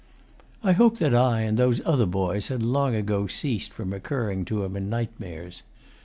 I hope that I and those other boys had long ago ceased from recurring to him in nightmares.